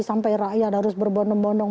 sampai rakyat harus berbondong bondong